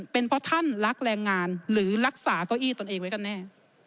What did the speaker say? เป็นเพราะท่านรักแรงงานหรือรักษาเก้าอี้ตนเองไว้กันแน่